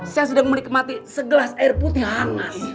saya sedang menikmati segelas air putih hangat